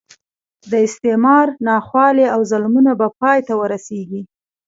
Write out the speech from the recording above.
د استعمار ناخوالې او ظلمونه به پای ته ورسېږي.